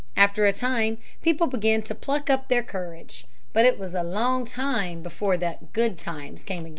After a time people began to pluck up their courage. But it was a long time before "good times" came again.